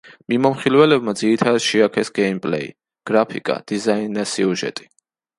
მიმოხილველებმა ძირითადად შეაქეს გეიმპლეი, გრაფიკა, დიზაინი და სიუჟეტი.